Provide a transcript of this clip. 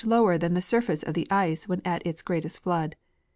37 lower than the surface of the ice when at its greatest flood.